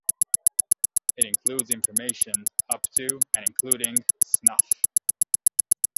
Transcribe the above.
It includes information up to, and including, "Snuff".